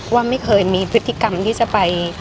ว่าไม่เคยมีพฤติกรรมที่จะไป